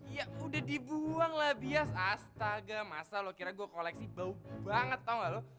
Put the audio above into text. ya udah dibuang lah bias astaga masa lo kira gue koleksi bau banget tau gak lo